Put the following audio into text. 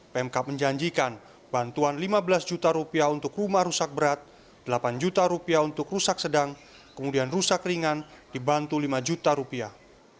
pemkap menjanjikan bantuan lima belas juta rupiah untuk rumah rusak berat delapan juta rupiah untuk rusak sedang kemudian rusak ringan dibantu lima juta rupiah